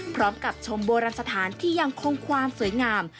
พร้อมกับชมโบราณสถานที่ยังคงความสวยงาม